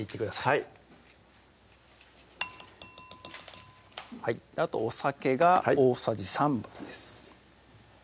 はいあとお酒が大さじ３杯です